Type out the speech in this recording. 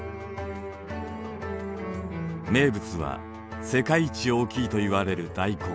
名物は世界一大きいといわれるダイコン。